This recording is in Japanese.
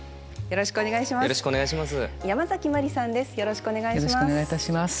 よろしくお願いします。